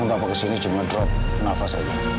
jangan bawa pak kesini cuma drop nafas aja